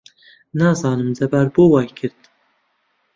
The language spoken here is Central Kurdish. نازانم جەبار بۆ وای کرد.